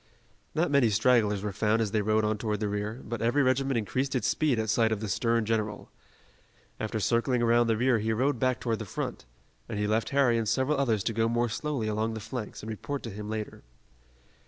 Not many stragglers were found as they rode on toward the rear, but every regiment increased its speed at sight of the stern general. After circling around the rear he rode back toward the front, and he left Harry and several others to go more slowly along the flanks and report to him later.